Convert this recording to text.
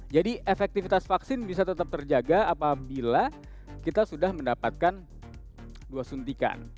jadi efektifitas vaksin bisa tetap terjaga apabila kita sudah mendapatkan dua suntikan